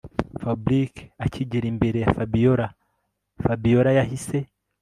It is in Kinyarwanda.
Fabric akigera imbere ya Fabiora Fabiora yahise